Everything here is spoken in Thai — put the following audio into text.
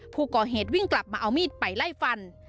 ผู้ก่อเหตุวิ่งกลับมาเอามีดไปไล่ฟัน